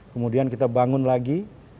kemudian kita bangun lagi